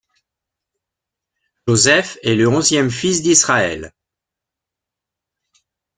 Joseph est le onzième fils d'Israël.